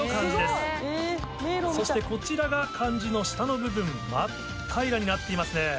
そしてこちらが漢字の下の部分真っ平らになっていますね。